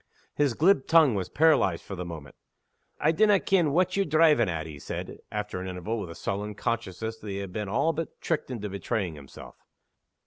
His glib tongue was paralyzed for the moment. "I dinna ken what ye're drivin' at," he said, after an interval, with a sullen consciousness that he had been all but tricked into betraying himself.